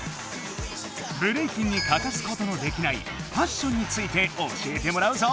ブレイキンにかかすことのできない「ファッション」について教えてもらうぞ！